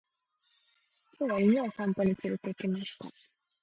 今日は犬を散歩に連れて行きました。